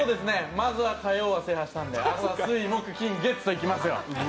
まずは火曜は制覇したんであとは月水木金といきますよ！